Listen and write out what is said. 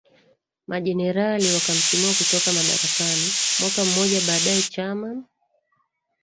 majenerali wakamtimua kutoka madarakani Mwaka mmoja baadae chama